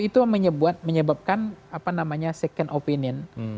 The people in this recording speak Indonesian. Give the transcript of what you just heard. itu menyebabkan second opinion